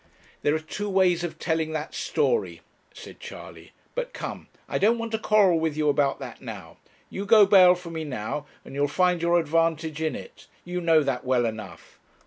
'There are two ways of telling that story,' said Charley; 'but come, I don't want to quarrel with you about that now you go bail for me now, and you'll find your advantage in it. You know that well enough.'